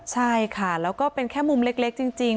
ใช่ค่ะแล้วก็เป็นแค่มุมเล็กจริง